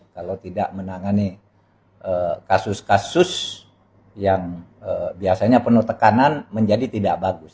kalau tidak menangani kasus kasus yang biasanya penuh tekanan menjadi tidak bagus